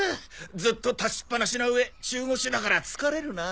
ずっと立ちっぱなしな上中腰だから疲れるなあ。